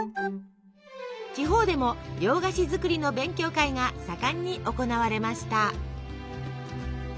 地方でも洋菓子作りの勉強会が盛んに行われました。